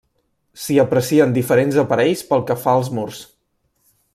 S'hi aprecien diferents aparells pel que fa als murs.